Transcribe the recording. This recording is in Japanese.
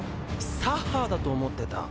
サッハーだと思ってた。